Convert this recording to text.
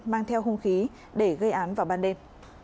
mang theo hung khí để gây án vào ban đêm